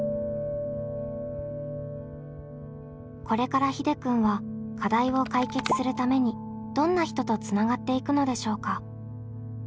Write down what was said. これからひでくんは課題を解決するためにどんな人とつながっていくのでしょうか？